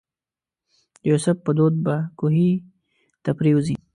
د یوسف په دود به کوهي ته پرېوځي.